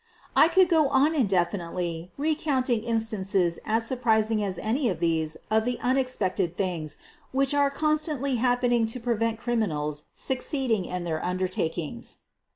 I could go on indefinitely recounting instances as surprising as any of these of the unexpected things which are constantly happening to prevent criminals succeeding in their undertakings.